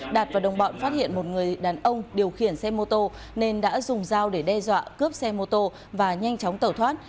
đạt và đồng bọn phát hiện một người đàn ông điều khiển xe mô tô nên đã dùng dao để đe dọa cướp xe mô tô và nhanh chóng tẩu thoát